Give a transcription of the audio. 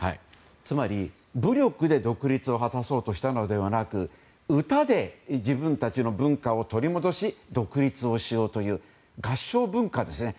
つまり武力で独立を果たそうとしたのではなく歌で自分たちの文化を取り戻し独立をしようという合唱文化ですね。